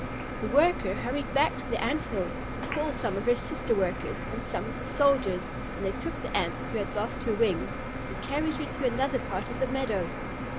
The worker hurried back to the Ant hill to call some of her sister workers, and some of the soldiers, and they took the Ant who had lost her wings and carried her to another part of the meadow.